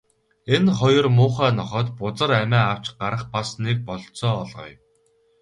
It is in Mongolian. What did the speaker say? Энэ хоёр муухай нохойд бузар амиа авч гарах бас нэг бололцоо олгоё.